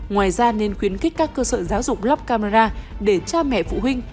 ngoài ra nên khuyến khích các cơ sở giáo dục lắp camera để cha mẹ phụ huynh